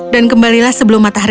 dan kembalilah sebelum matahari